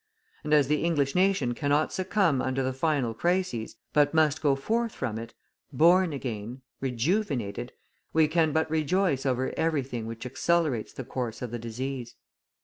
And as the English nation cannot succumb under the final crises, but must go forth from it, born again, rejuvenated, we can but rejoice over everything which accelerates the course of the disease.